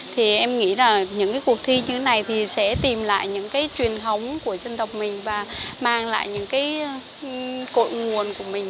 thì em nghĩ là những cái cuộc thi như thế này thì sẽ tìm lại những cái truyền thống của dân tộc mình và mang lại những cái cội nguồn của mình